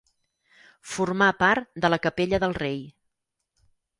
Formar part de la capella del rei.